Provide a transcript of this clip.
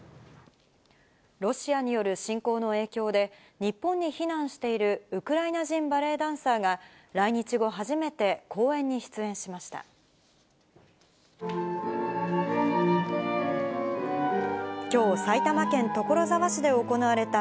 ロシアによる侵攻の影響で、日本に避難しているウクライナ人バレエダンサーが、来日後初めて、公演に出演しました。